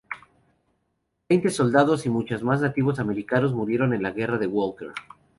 Veinte soldados y muchos más nativos americanos murieron en la guerra de Walker.